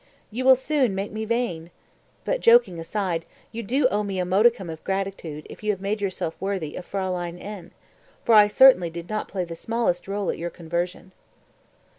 You will soon make me vain! But joking aside, you do owe me a modicum of gratitude if you have made yourself worthy of Fraulein N., for I certainly did not play the smallest role at your conversion."